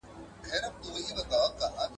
انټرنیټ ته د خلګو لاسرسی زیات سوی و.